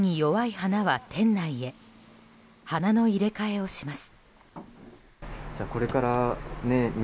花の入れ替えをします。